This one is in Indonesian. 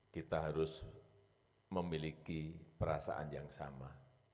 kita harus memiliki perasaan yang sama